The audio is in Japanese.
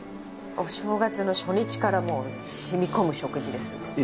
お正月の初日からもう染み込む食事ですね。